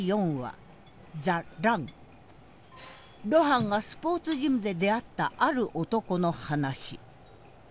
露伴がスポーツジムで出会ったある男の話。